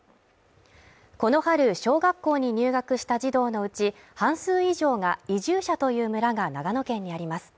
この春小学校に入学した児童のうち半数以上が移住者という村が長野県にあります。